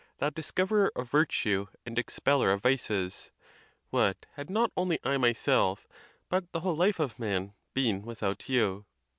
thou discov erer of virtue and expeller of vices! what had not only I myself, but the whole life of man, been without you?